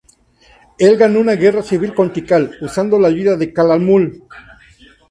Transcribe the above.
Él ganó una guerra civil con Tikal usando la ayuda de Calakmul.